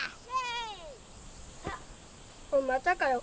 おいまたかよ。